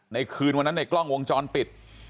ในคืนวันนั้นในกล้องวงจรปิด